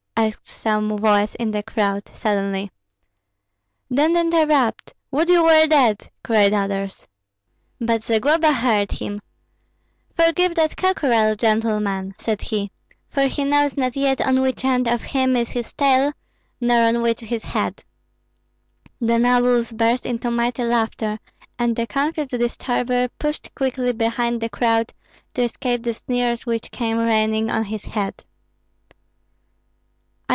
asked some voice in the crowd, suddenly. "Don't interrupt! Would you were dead!" cried others. But Zagloba heard him. "Forgive that cockerel, gentlemen," said he; "for he knows not yet on which end of him is his tail, nor on which his head." The nobles burst into mighty laughter, and the confused disturber pushed quickly behind the crowd, to escape the sneers which came raining on his head.